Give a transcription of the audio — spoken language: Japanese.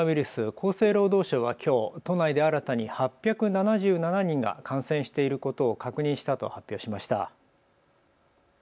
厚生労働省はきょう都内で新たに８７７人が感染していることを確認したと発表しました。